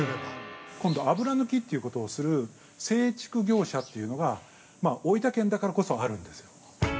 ◆今度、油抜きということをする製竹業者というのが、大分県だからこそあるんです。